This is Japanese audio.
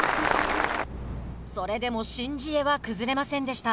それでもシン・ジエは崩れませんでした。